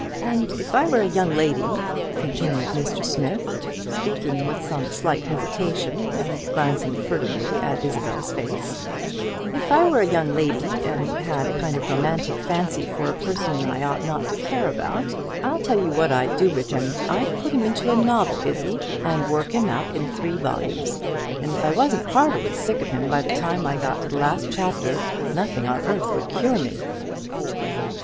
And if I were a young lady," continued Mr. Smith, speaking with some slight hesitation, and glancing furtively at Isabel's face, "if I were a young lady, and had a kind of romantic fancy for a person I ought not to care about, I'll tell you what I'd do with him, I'd put him into a novel, Izzie, and work him out in three volumes; and if I wasn't heartily sick of him by the time I got to the last chapter, nothing on earth would cure me."